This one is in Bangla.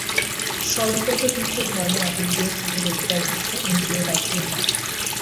স্বরূপত কিন্তু ধর্ম অতীন্দ্রিয় ভূমির অধিকারভুক্ত, ইন্দ্রিয়-রাজ্যের নয়।